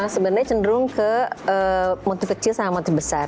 sebenarnya cenderung ke motif kecil sama motif besar